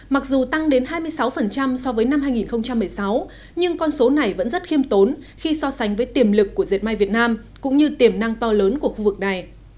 mặc dù tăng đến hai mươi sáu so với năm hai nghìn một mươi sáu nhưng con số này vẫn rất khiêm tốn khi so sánh với tiềm lực của dệt may việt nam cũng như tiềm năng to lớn của khu vực này